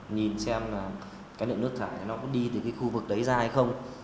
nhìn xem là cái lượng nước thải nó có đi từ cái khu vực đấy ra hay không